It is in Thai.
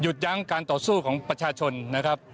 ยั้งการต่อสู้ของประชาชนนะครับ